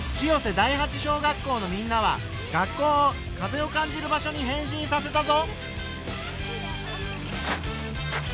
第八小学校のみんなは学校を風を感じる場所に変身させたぞ。